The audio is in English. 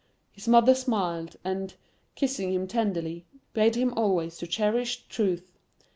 His mother smiled, and, kissing him tenderly, bade him always to cherish Truth.